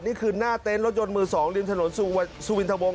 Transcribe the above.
นี่คือหน้าเต็นต์รถยนต์มือ๒ริมถนนสุวินทะวง